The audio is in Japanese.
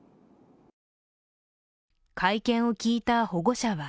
会見を聞いた保護者は